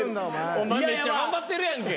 お前めっちゃ頑張ってるやんけ。